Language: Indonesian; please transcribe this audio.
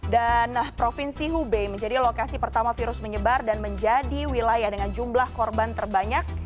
dan provinsi hubei menjadi lokasi pertama virus menyebar dan menjadi wilayah dengan jumlah korban terbanyak